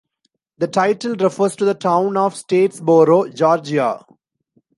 The title refers to the town of Statesboro, Georgia.